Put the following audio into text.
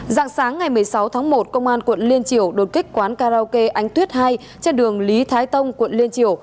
dạng sáng ngày một mươi sáu tháng một công an quận liên triều đột kích quán karaoke ánh tuyết hai trên đường lý thái tông quận liên triều